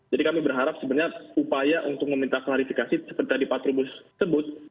jadi kami berharap sebenarnya upaya untuk meminta klarifikasi seperti tadi pak trubus sebut